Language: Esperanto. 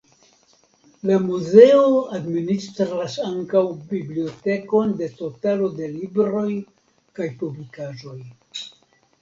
La muzeo administras ankaŭ bibliotekon de totalo de libroj kaj publikaĵoj.